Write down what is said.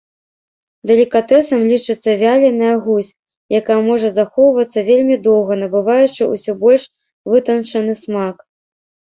Далікатэсам лічыцца вяленая гусь, якая можа захоўвацца вельмі доўга, набываючы ўсё больш вытанчаны смак.